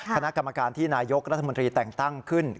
คณะกรรมการที่นายกรัฐมนตรีแต่งตั้งขึ้น